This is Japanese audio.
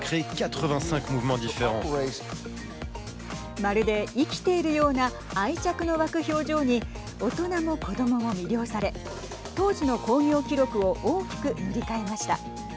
まるで生きているような愛着の湧く表情に大人も子ども魅了され当時の興行記録を大きく塗り替えました。